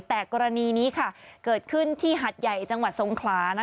แต่กรณีนี้เกิดขึ้นที่หัดใหญ่จังหวัดทรงขลา